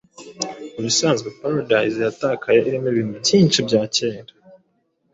Mubisanzwe, Paradise Yatakaye irimo ibintu byinshi bya kera